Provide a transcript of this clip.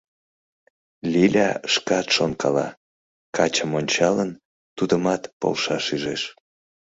— Лиля шкат шонкала, качым ончалын, тудымат полшаш ӱжеш.